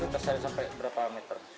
terseret sampai berapa meter